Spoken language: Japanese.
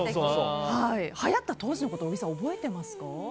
はやった当時のことを小木さん覚えてますか？